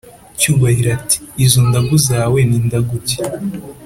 cyubahiro ati"izo ndagu zawe nindagu ki?"